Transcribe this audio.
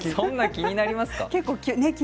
気になりますか。